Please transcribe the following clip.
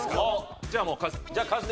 じゃあもうカズ。